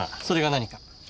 それが何か？